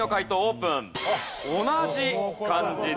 同じ漢字です。